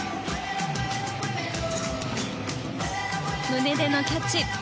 胸でのキャッチ。